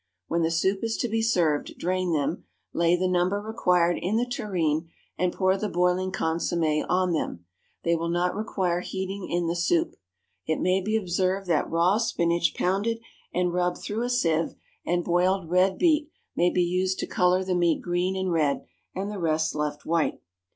When the soup is to be served, drain them, lay the number required in the tureen, and pour the boiling consommé on them. They will not require heating in the soup. It may be observed that raw spinach pounded and rubbed through a sieve, and boiled red beet, may be used to color the meat green and red, and the rest left white.